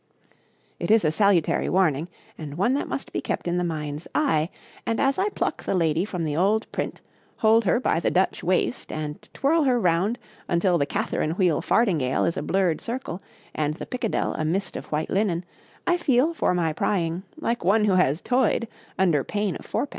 It is a salutary warning, and one that must be kept in the mind's eye, and as I pluck the lady from the old print, hold her by the Dutch waist, and twirl her round until the Catherine wheel fardingale is a blurred circle, and the pickadell a mist of white linen, I feel, for my prying, like one who has toyed under pain of fourpence.